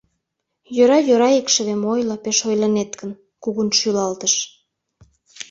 — Йӧра-йӧра, икшывем, ойло, пеш ойлынет гын, — кугун шӱлалтыш.